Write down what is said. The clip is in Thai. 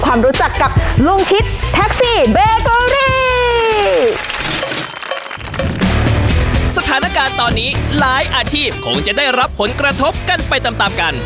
การณ์การตอนนี้หลายอาชีพคงจะได้รับผลกระทบกั้นไปตามกัน